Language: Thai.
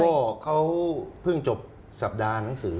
ก็เขาเพิ่งจบสัปดาห์หนังสือ